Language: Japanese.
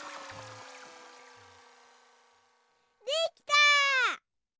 できた！